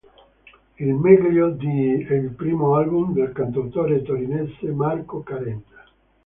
Il meglio di... è il primo album del cantautore torinese Marco Carena.